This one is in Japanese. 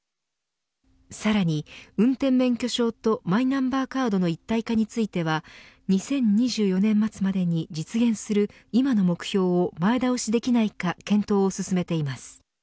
さらに運転免許証とマイナンバーカードの一体化については２０２４年度末に実現する今の目標を前倒しできないか検討を進めています。